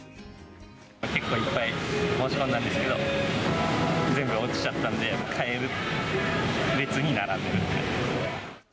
結構いっぱい申し込んだんですけど、全部落ちちゃったんで、買える列に並んでるっていう感じです。